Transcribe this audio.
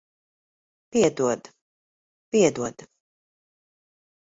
Piedod. Piedod.